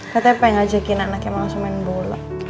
katanya pengen ngajakin anak anaknya mau langsung main bola